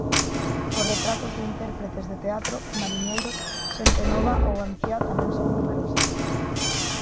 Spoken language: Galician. Os retratos de intérpretes de teatro, mariñeiros, xente nova ou anciá tamén son numerosas.